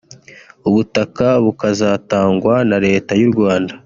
ubutaka bukazatangwa na leta y’u Rwanda